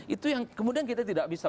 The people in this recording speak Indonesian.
itu yang kemudian kita tidak bisa